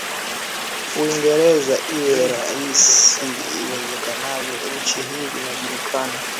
Uingereza iwe rahisi iwezekanavyo Nchi hii inajulikana